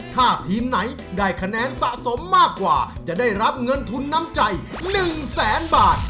ถ้าทีมไหนได้คะแนนสะสมมากกว่าจะได้รับเงินทุนน้ำใจ๑แสนบาท